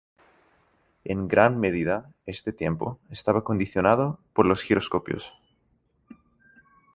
En gran medida, este tiempo, estaba condicionado por los giroscopios.